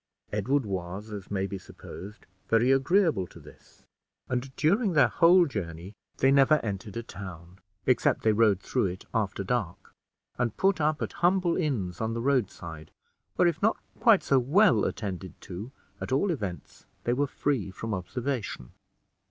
Edward was, as may be supposed, very agreeable to this, and, during their whole journey, they never entered a town, except they rode through it after dark; and put up at humble inns on the roadside, where, if not quite so well attended to, at all events they were free from observation.